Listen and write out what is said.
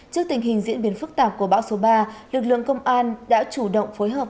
trước tình hình diễn biến phức tạp của bão số ba lực lượng công an đã chủ động phối hợp